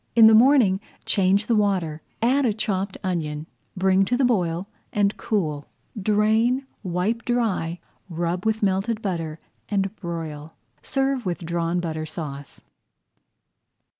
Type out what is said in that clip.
In the morning change the water, add a chopped onion, bring to the boil, and cool. Drain, wipe dry, rub with melted butter, and broil. Serve with Drawn Butter Sauce.